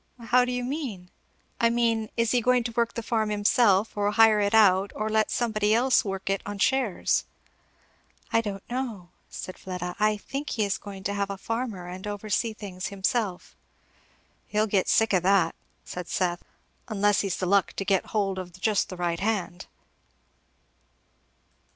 "How do you mean?" "I mean, is he going to work the farm himself, or hire it out, or let somebody else work it on shares?" "I don't know," said Fleda; "I think he is going to have a farmer and oversee things himself." "He'll get sick o' that," said Seth; "unless he's the luck to get hold of just the right hand."